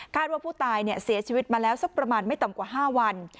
ว่าผู้ตายเสียชีวิตมาแล้วสักประมาณไม่ต่ำกว่า๕วัน